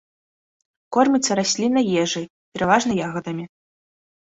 Корміцца расліннай ежай, пераважна ягадамі.